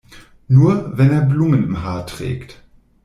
Nur wenn er Blumen im Haar trägt.